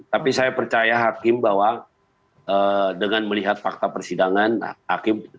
tapi saya percaya hakim bahwa dengan melihat fakta persidangan hakim tidak akan tergoyah oleh